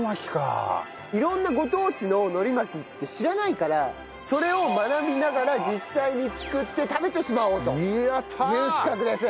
色んなご当地の海苔巻きって知らないからそれを学びながら実際に作って食べてしまおうという企画です。